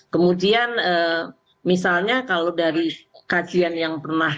kemudian misalnya kalau dari kajian yang pernah